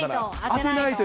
当てないと。